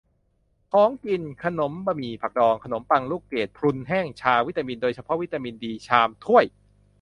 - ของกิน : ขนม บะหมี่ ผักดอง ขนมปัง ลูกเกด-พรุนแห้ง ชา วิตามิน โดยเฉพาะวิตามินดี ชาม ถ้วย